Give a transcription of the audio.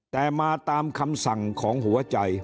แต่มาตามคำสั่งของหัวใจ